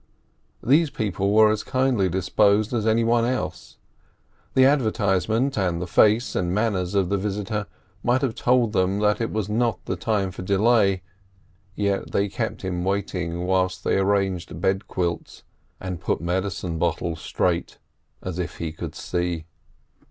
These people were as kindly disposed as any one else. The advertisement and the face and manners of the visitor might have told them that it was not the time for delay, yet they kept him waiting whilst they arranged bed quilts and put medicine bottles straight—as if he could see!